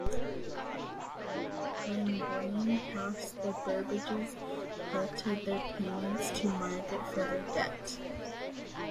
When Brayne passed the Burbages halted their payments to Margaret for their debt.